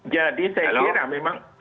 jadi saya kira memang